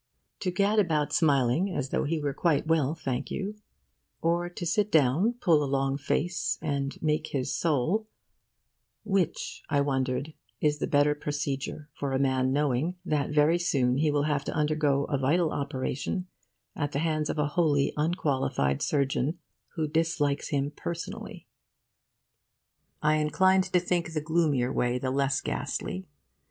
To gad about smiling as though he were quite well, thank you, or to sit down, pull a long face, and make his soul, which, I wondered, is the better procedure for a man knowing that very soon he will have to undergo a vital operation at the hands of a wholly unqualified surgeon who dislikes him personally? I inclined to think the gloomier way the less ghastly.